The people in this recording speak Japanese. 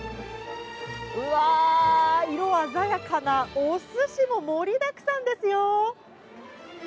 うわ、色鮮やかなおすしも盛りだくさんですよ。